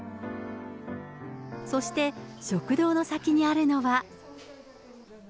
そして、食堂の先にあるのは。